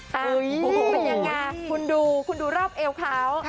เป็นยังไงคุณดูคุณดูรอบเอวเขา